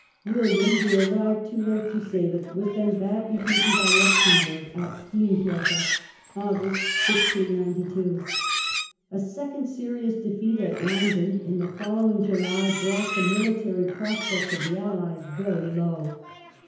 William, who arrived too late to save it, was then badly beaten by Luxembourg at Steenkerke (August, 1692). A second serious defeat at linden in the following July brought the military pros pects of the Allies very low.